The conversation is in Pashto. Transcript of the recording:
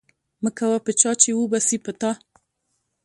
مه کوه په چا، چي وبه سي په تا